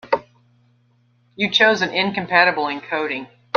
You chose an incompatible encoding.